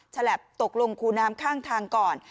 ฉลับตกลงคูน้ำข้างทางก่อน